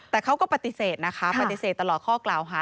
แต่เขาก็ปฏิเสธนะคะปฏิเสธตลอดข้อกล่าวหา